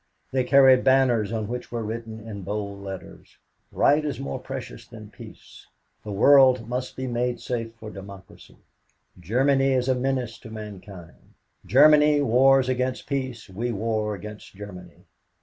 They carried banners on which were written in bold letters, "Right is more precious than peace," "The world must be made safe for democracy," "Germany is a menace to mankind," "Germany wars against peace, we war against Germany."